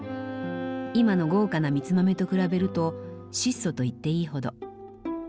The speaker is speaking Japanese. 今の豪華な蜜豆と比べると質素と言っていいほど。